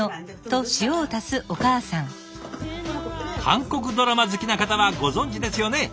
韓国ドラマ好きな方はご存じですよね。